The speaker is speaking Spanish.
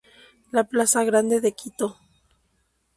La Plaza Grande de Quito.